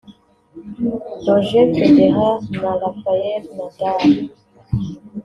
Roger Federer na Rafael Nadal